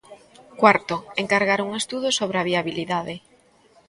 Cuarto, encargar un estudo sobre a viabilidade.